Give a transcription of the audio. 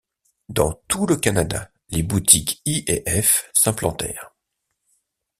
Dans tout le Canada, les boutiques I&F s'implantèrent.